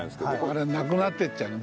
これなくなっていっちゃうの。